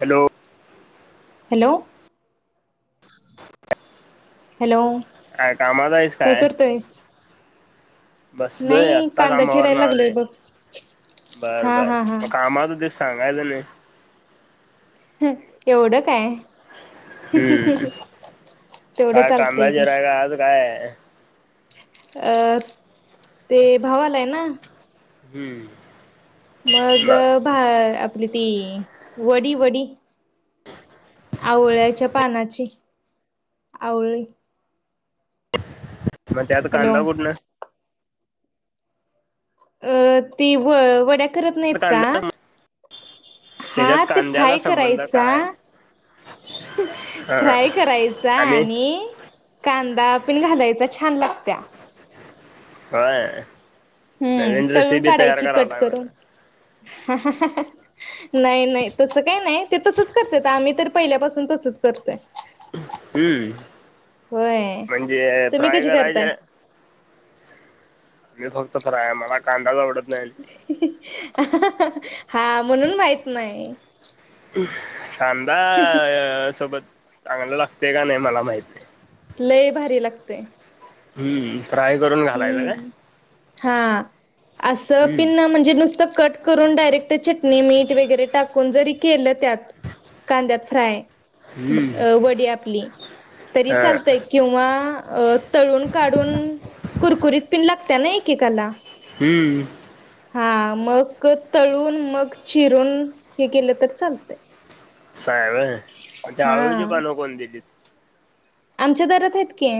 Hello-' hello hello काय कामात आहेस काय? तेच बसलोय आत्ता कांदा कामावर चिरायला न लागलोय आलोय, बघ बर हा बर हा हा मग कामात होतीस? सांगायच ना हं एवढं काय हम्म हं-हं-हं-अ तेवढं काय कांदा चालतय की चिरायला आज काय अं ते भाव आलाय ना! हम्म बर मगगं भा आपली ती वडी, वडी आवळ्याच्या पानाची आवळी मग त्यात हॅलो कांदा कुठनं? अ ती व वड्या करत नाहीत का? कांदा हा त्याच्यात ते कांद्याचा फ्राय संबंध करायचा. काय हं हा फ्राय करायचा आणि कांदा पण घालायचा छान लागत्या हाय हम्म तळून काढायची कट मला करून हं-हं-हाहा नाही नाही तसं काही नाही ते तसंच करतेत. 'आम्ही तर पहिल्यापासून तसच करतोय. ' हम्म होय म्हणजे तुम्ही फ्राय कशी करताय? करायचे मी फक्त फ्राय मला कांदाच आवडत नाही. आणि ही ही हाआ हा म्हणून माहीत नाय कांदाअं अं सोबत चांगलं लागतयं. का नाही मला माहिती नाही. लय य भारी लागतंय. हम्म त्राय करून घालायचं काय हम्म हा असं हम्म पिन म्हणजे नुस कट करून डायरेक्ट चटणी मीठ वगैरे टाकून जरी केलं त्यात कांद्यात फ्राय ब हम्म वडी आपली तरी हा चालतय किंवा अं तळून काढून कुरकुरीत पिणं लागत्या ना एकेकाला हम्म्म. हा मग तळून मग चिरून हे केलं तर चालतंय. असायंवी मग त्या हा आळुची पानं कोण दिलीत आमच्या दारात हायत की.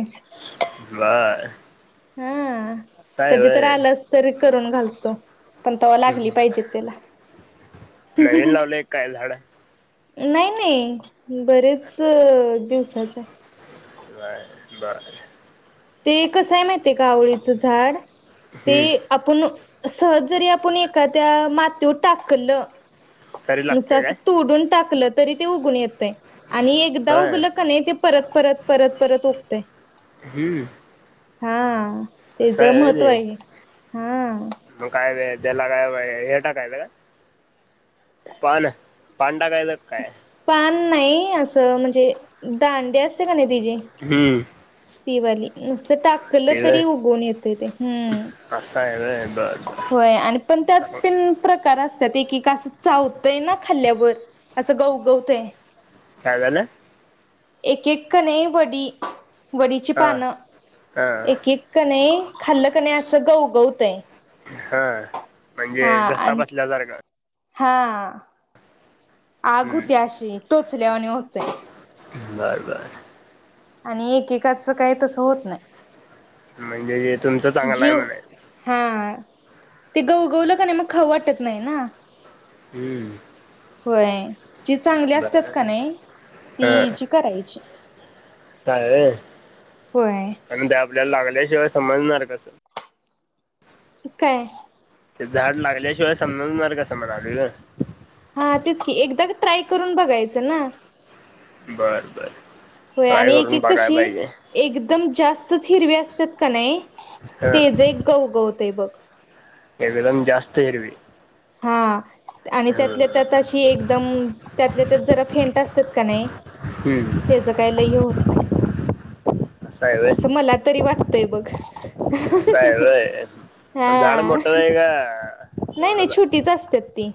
बाय-य हा कधी तर आलास तर करून घालतो. पण तवा लागली पाहिजेत त्याला नवीन लावलंय काय झाड नाही नाही बरेचं दिवसाच हाय. Bye bye. ते कसंय माहितेय का ते आवळीचं झाड ते हम्म आपण सहज जरी आपुण एखाद्या मातीवर टाकलं? तरी नुस लागतंय असं काय तुडून टाकलं तरी ते उघून येतंय आणि एकदा होय उगल कं नाही ते परत परत परत परत ओकतेय हम्म्म. हा-अं तेज व्हय महत्त्व हाय ते हे हा. मग काय-द देला काय ये टाकायचं काय. पानं पान टाकायचं का काय. पान नाही असं म्हणजे दांडी असत्या का नाही तेजी हम्म. तीवाली नुसत टाकलं तरी उगवून येतय ते हम्म. असय होय बरं. होय आणि पण त्यात तेन प्रकार असत्यात एकेक असं चावतंय ना खाल्ल्यावर असं गवगवतय. काय झालं? एक एक कणी वडी वडीची हा पानं हा एक एक कणय खाल्ल कणी असं गवगवतय. हा म्हणजे घसा बसल्या सारखा. हां. आग हम्म हुत्या अशी टोचल्यावाणी हुतय. बरं बर. आणि एकेकाचं काही तसं होत नाही. म्हणजे तुमचं चांगलंय जीव म्हणाय हा ते गवगवलं कणी मग खाऊ वाटत नाही ना. हम्म. होय जी चांगली बर असत्यात कनय हा ती जी करायची. असं हाय होय होय आणि ते आपल्याला लागल्याशिवाय समजणार कसं? काय? ते झाड लागल्याशिवाय समजणार कसं म्हणालोय न हा तेच की, एकदा ग ट्राय करून बघायचं ना. बर बर. होय ट्राय आणि एक करून एक बघाय कशी, पाहिजे एकदम जास्तच हिरवी असत्यात क नय ह तेज एक गवगवतय बघ. एकदम जास्त एरवी हा आणि त्यातल्या त्यात अशी एकदम, त्यातल्या त्यात जरा फेंट असत्यात कनय हम्म तेज काय लय हे होत नाय. असं आहे व्हय [unintelligible] मला तरी वाटतंय बघ. असं आहे व्हय पण झाड हा मोठं आहे का नाही नाही एवढंच आहे छोटीच असत्यात ती,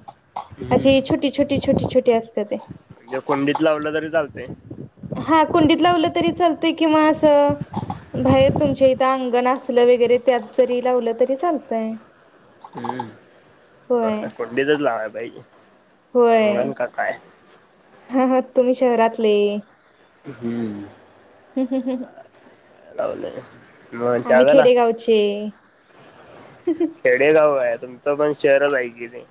हम्म अशी छोटी छोटी छोटी छोटी असत्यात तय. म्हणजे कुंडीत लावलं तरी चालतय? हा कुंडीत लावलं तरी चालतंय किंवा असं, बाहेर तुमच्या इथं अंगण असलं वगैरे त्यात जरी लावलं तरी चालतंय. हम्म, होय बर कुंडीतच लावाय पाहिजे, होय अंगण का काय तुम्ही शहरातले हम्म हं हं हं ह [unintelligible] आम्ही चांगला खेडे गावचे. खेडेगाव आहे, तुमचं पण शहरच आहे की ते.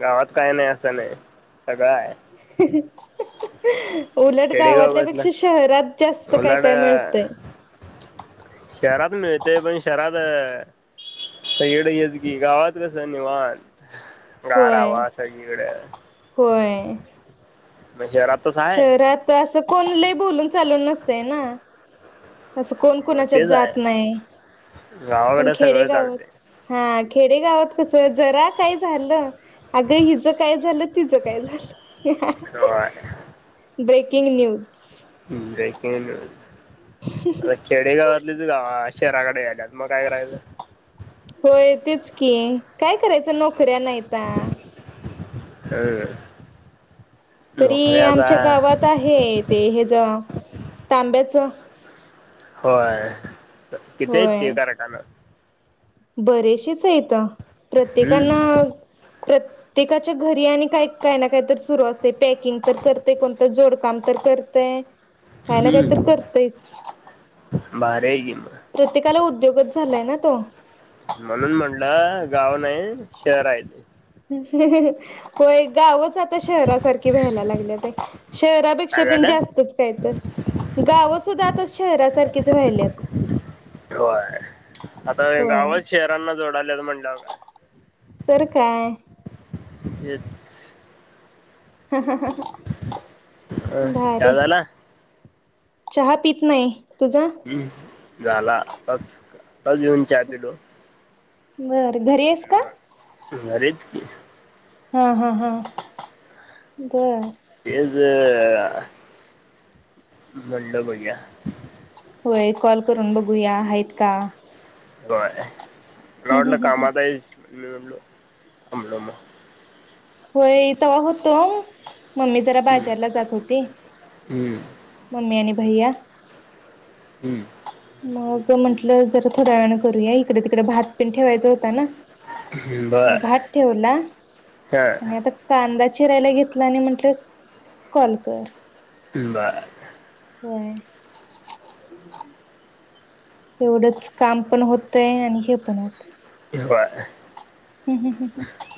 गावात काय नाही असं नाही, सगळं हाय. उलटलं खेडेगावात ना गावातल्यापेक्षा शहरात जास्त काय उलाढ काय मिळतय. शहरात मिळतय पण शहरात अ सगळीकड हेच की, गावात कस निवांत. होय, गारावा सगळीकडे होय. म शहरात तसं आहे शहरात असं कोण लय बोलून चालून नसतय ना. असं कोण मग कोणाच्यात तेच आहे जात नाही, पण गावाकडे सगळं खेडेगावात चालते हा खेडेगावात कस जरा काय झालं अग हिचं काय झालं, तिचं काय झालं? होय ब्रेकिंग न्यूज. हं ब्रेकिंग न्यूज, खेडेगावातलीच गाव शहराकडे यायल्यात मग काय करायचं? होय तेच की काय करायचं, नोकऱ्या नाहीता. [unintelligible] तरी आमच्या नोकऱ्याचा गावात आहे ते, हेज तांब्याच होय, किती हायत ते कारखानं? बरेशेच हायत, हम्म प्रत्येकानां प्रत्येकाच्या घरी आणि काय काय ना काय तर सुरू असतय पॅकिंग तर करतय, कोणतर जोडकाम तर करतय, काय ना काही तर हम्म करतयच. भारी आहे की मग प्रत्येकाला उद्योगच झालाय ना तो. म्हणून म्हटलं गाव नाही शहर आहे ते. हो एक गावच आता त शहरासारखी व्हायला लागल्यातं, शहरापेक्षा काय पण झालं जास्तच काय तर गावं सुद्धा आता शहरासारखीच व्हायल्यात होय आता होय गावचं शहरांना जोडाल्या म्हणल्यावर काय तर काय येच ह ह ह अ भारी चहा झाला चहा पित नाही, तुझं हम् झाला आताचं, आता जेऊन चहा पिलो बरं, घरीयेस का? [unintelligible] घरीच की हा हा हा बरं तेचं म्हणलं बघुया होय कॉल करून बघूया हायेत का होय मला हम्म वाटलं हम्म हम्म कामात आहेस लो लो णलो म होय तेव्हा होतो, मम्मी जरा हम्म बाजारला जात होती हम्म मम्मी आणि भैया हम्म मग म्हंटलं जशा थोड्या वेळानं करूया इकडे तिकडे भात पण ठेवायचा होता ना म बर भात ठेवला हा आणि आता कांदा चिरायला घेतला आणि म्हटलं कॉल कर हम्म बरं व्हयं एवढंच काम पण होतयं आणि हे पण होतयं व्हयं,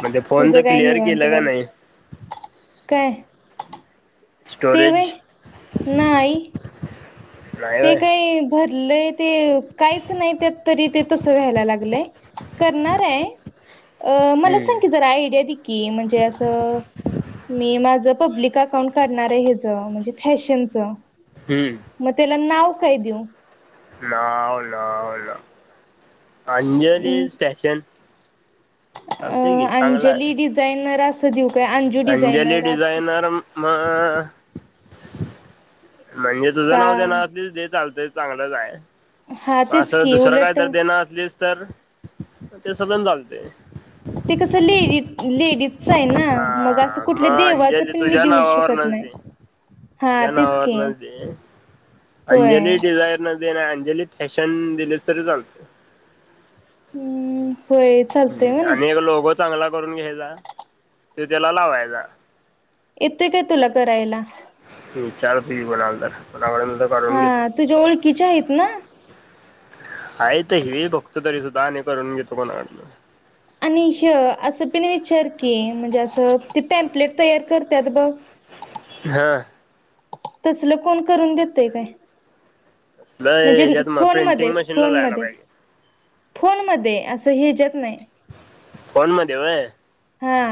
म्हणजे फोनच तुझं काय क्लिअर निवांत केलं का बाबा नाही काय ते स्टोरेज व्हयं, नाही नाही ते होय काही भरलंय ते काहीच नाही त्यात तरी ते तसं व्हायला लागलयं, करणारं अ म्हणलं हम्म, संकी जरा आयडीया दे कि म्हणजे असं मी ना माझं पब्लिक अकाउंट काढणारं हेच म्हणजे फॅशनचं हम्म मग त्याला नाव काय देऊ. लाव लाव ल अंजलीस फॅशन चालतंय अ की चांगला अंजली आहे डिझायनर असं देऊ का, अंजू डिझायनर असं- मग म्हणजे तुझं का नाव देनार असशील ते चालतच- चांगलंच आहे, हा तेच असं की दुसरं काय उलट तर देनार असलीस तर तसं पण चालतंय. ते कसं लेवीत लेडीत सायना मग अस हा कुठल्या मग देवाच अंजली पण मी तुझ्या देऊ शकत नावावरनच नाही दे. हा तुझ्या तेच की नावावरनच दे होय अंजली डिझायर न दे ना अंजली फॅशन दिलीस तरी चाल हम्म होयच ह् आणि एक लोगो चांगला करून घ्यायचा, त त्याला लावायचा. येतोय काय तुला करायला. हम्म, [unintelligible] तर काढून घेतो हा तुझ्या ओळखीच्या आहेत ना आहेत हे बघतो तरी सुद्धा आणि करून घेतो कोणाकडूनतर आणि ह असं पण विचार की म्हणजे असं ते पॅम्पलेट तयार करत्यात बघ हा तसलं कोण करून देतय काय लय म्हणजे याच्यात मग फोन मध्ये प्रिंटिंग मशीनला फोन जायला मध्ये पाहिजे फोन मध्ये असं याच्यात नाही फोन मध्ये होय हा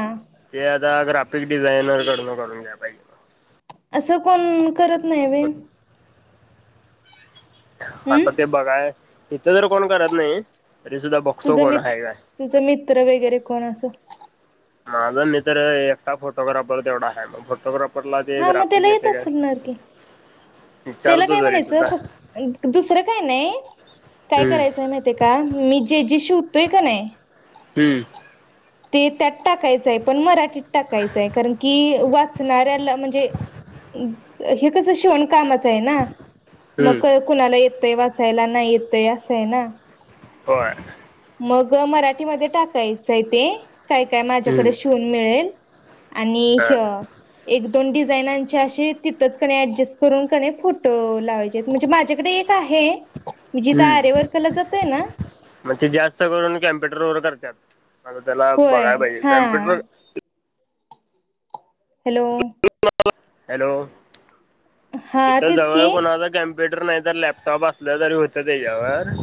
ते आता ग्राफिक डिझायनर कडनं करून घ्या पाहिजे असं कोण करत नाही व्हय आता ते बघाय इथं तर कोण करत नाही तरी सुद्धा बघ तुझं मित तुझं मित्र वगैरे कोण असं माझा मित्र एकटा फोटोग्राफर तेवढा आहे बघ फोटोग्राफ हा मग त्याला येत असल ना की विचारत त्याला होतो काय तरी म्हणायचं सुद्धा फक् दुसरं काय नाही काय हम्म करायचंय माहि माहितीये का मी जेजे शिवतोय का नाही हम्म ते त्यात टाकायचंय पण मराठीत टाकायचंय कारण की वाचणाऱ्याला म्हणजे हे कसं शिवण कामाच आहे ना हम्म मग कुणाला येतंय वाचायला नाही येतंय असंय ना होय मग मराठीमध्ये टाकायचंय ते काय काय हम्म माझ्याकडे शिवून मिळेल आणि हा. हे एक दोन डिझाईनांचे अशी तिथंच कनी ऍडजस्ट करून कनी फोटो लावायच म्हणजे माझ्याकडे एक आहे [unintelligible] मी जिथं आरी वर्कला जातोय ना मग ते जास्त करून कॅम्प्युटर वर करत्यात आता त्याला होय बघाय पाहिजे हा कॉम्प्युटर हॅलो हॅलो हा इथं तेच जवळ की कोणाचा कॅम्प प्युटर नाही तर लॅपटॉप असलं तरी होतं त्याच्यावर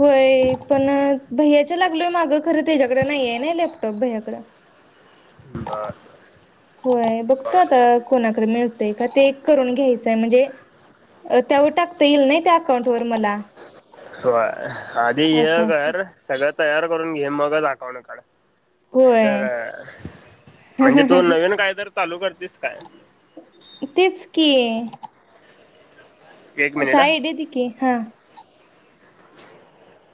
होय पण भैयाच्या लागलोय मागं खरं त्याच्याकडें नाहीये ना लॅपटॉप भैय्याकडं बर होय बघतो बर आता कोणाकडे मिळतय का ते एक करून घ्यायचंय म्हणजे त्यावर टाकता येईल ना त्या अकाउंट वर मला होय आधी हे असं असं कर सगळं तयार करून घे मगच अकाउंट काढ नाही तर होय म्हणजे तू नवीन काय तर चालू करतेस काय तेच की एक मिनिट हा साय देते की हा [unintelligible]